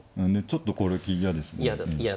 ちょっとこれ嫌ですね。